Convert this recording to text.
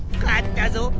勝ったぞ！